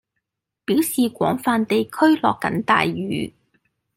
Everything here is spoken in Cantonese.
表示廣泛地區落緊大雨